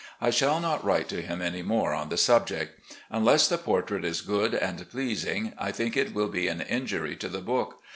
I shall not write to him any more on the subject. Unless the portrait is good and pleasing, I think it will be an injury to the book.